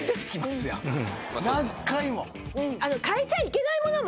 何回も。